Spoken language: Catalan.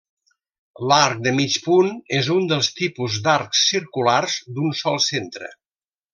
L'arc de mig punt és un dels tipus d'arcs circulars d'un sol centre.